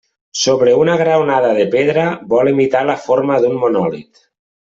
Sobre una graonada de pedra vol imitar la forma d'un monòlit.